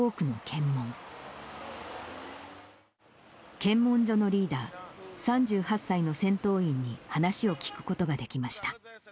検問所のリーダー、３８歳の戦闘員に話を聞くことができました。